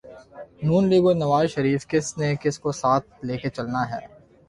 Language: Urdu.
نون لیگ اور نوازشریف کس نے کس کو ساتھ لے کے چلنا ہے۔